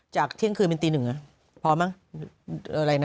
เที่ยงคืนเป็นตีหนึ่งพอมั้งอะไรนะ